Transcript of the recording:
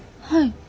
はい。